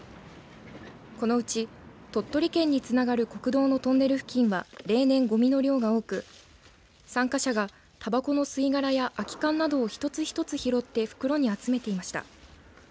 このうち鳥取県につながる国道のトンネル付近は例年ごみの量が多く参加者がたばこの吸い殻や空き缶などを一つ一つ拾って袋に集めていました。